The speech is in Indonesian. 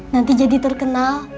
nanti jadi terkenal